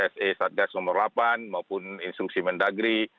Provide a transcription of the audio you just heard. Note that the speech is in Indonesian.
se satgas nomor delapan maupun instruksi mendagri